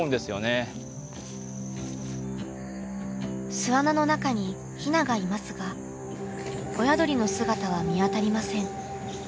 巣穴の中に雛がいますが親鳥の姿は見当たりません。